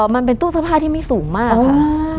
มันเป็นตู้เสื้อผ้าที่ไม่สูงมากค่ะ